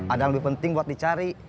ada yang lebih penting buat dicari